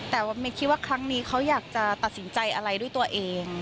แต่ครั้งนี้เค้าอยากตัดสินใจอะไรด้วยตัวเอง